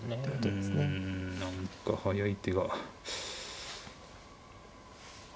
うん何か速い手が。